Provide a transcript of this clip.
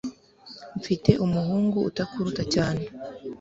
Mfite umuhungu utakuruta cyane.